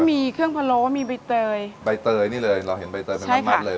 มีเครื่องพะโล้มีใบเตยใบเตยนี่เลยเราเห็นใบเตยเป็นมัดเลย